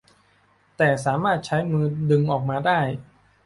แต่สามารถใช้มือดึงออกมาได้